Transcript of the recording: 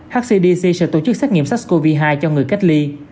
hcdc sẽ tổ chức xét nghiệm sars cov hai cho người cách ly